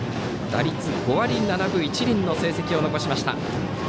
打率５割７分１厘の成績を残しました。